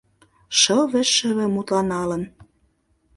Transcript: Шыве-шыве мутланалын